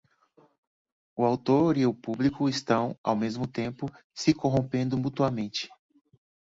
O autor e o público estão, ao mesmo tempo, se corrompendo mutuamente.